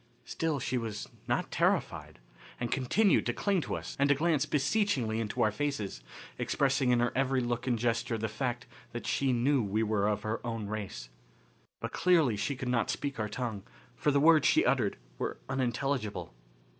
Still she was not terrified, and continued to cling to us and to glance beseechingly into our faces, expressing in her every look and gesture the fact that she knew we were of her own race. But clearly she could not speak our tongue, for the words she uttered were unintelligible.